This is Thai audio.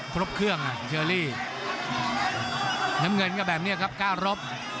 ครบเครื่องอ่ะเชอรี่น้ำเงินก็แบบนี้ครับก้ารบ